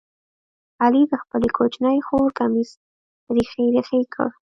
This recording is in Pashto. علي د خپلې کوچنۍ خور کمیس ریخې ریخې کړ.